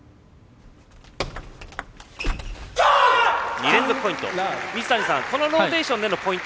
２連続ポイント。